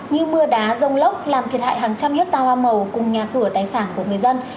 như mưa đá rông lốc làm thiệt hại hàng trăm hiếp tà hoa màu cùng nhà cửa tái sản của người dân